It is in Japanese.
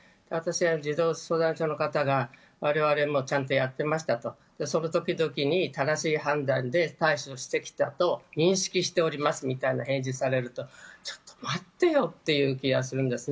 児童相談所の方が我々はちゃんとやってましたと、その時々に正しい判断で対処してきたと認識しておりますという返事をされるとちょっと待ってよという気がするんですね。